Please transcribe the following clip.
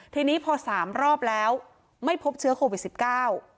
ทีนี้พอสามรอบแล้วไม่พบเชื้อโควิดสิบเก้า